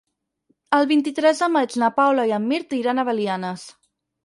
El vint-i-tres de maig na Paula i en Mirt iran a Belianes.